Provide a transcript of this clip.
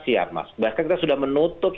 siap mas bahkan kita sudah menutup